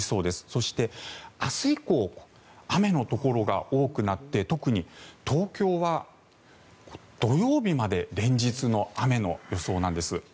そして、明日以降雨のところが多くなって特に東京は土曜日まで連日の雨の予想なんです。